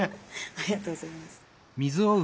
ありがとうございます。